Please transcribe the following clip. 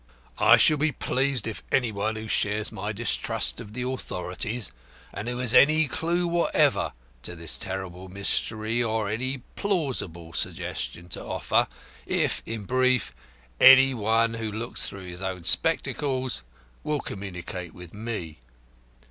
I shall be pleased if any one who shares my distrust of the authorities, and who has any clue whatever to this terrible mystery or any plausible suggestion to offer, if, in brief, any 'One who looks through his own spectacles' will communicate with me.